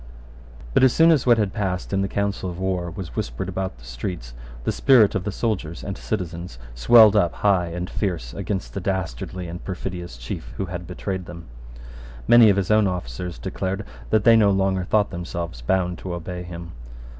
But as soon as what had passed in the council of war was whispered about the streets, the spirit of the soldiers and citizens swelled up high and fierce against the dastardly and perfidious chief who had betrayed them. Many of his own officers declared that they no longer thought themselves bound to obey him.